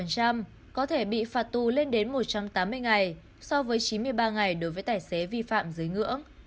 có thể bị phạt tù lên đến một trăm tám mươi ngày so với chín mươi ba ngày đối với tài xế vi phạm dưới ngưỡng